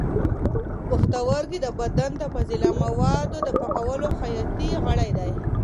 پښتورګي د بدن د فاضله موادو د پاکولو حیاتي غړي دي.